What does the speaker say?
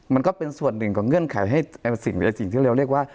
มันก็เป็นส่วนหนึ่งของเงื่อนไขให้สิ่งหรือสิ่งที่เราเรียกว่า